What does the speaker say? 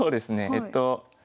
えっと